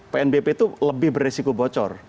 pnbp itu lebih beresiko bocor